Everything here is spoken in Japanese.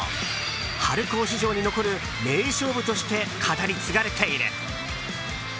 春高史上に残る名勝負として語り継がれている。